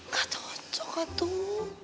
ga cocok ga tuh